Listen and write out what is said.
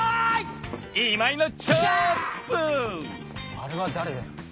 あれは誰だよ？